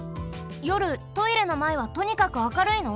よるトイレのまえはとにかく明るいの？